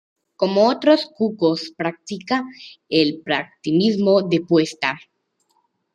Como otros cucos practica el parasitismo de puesta.